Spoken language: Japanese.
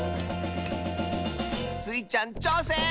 ⁉スイちゃんちょうせん！